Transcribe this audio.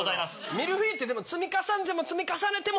ミルフィーユってでも積み重ねても積み重ねても。